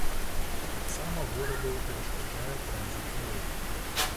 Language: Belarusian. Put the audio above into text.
Таксама гораду перашкаджае транзітны рух.